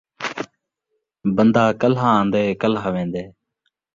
بندہ کلھا آندے، کلھا ویندے